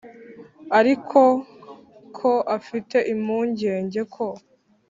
ariko ko afite impungenge ko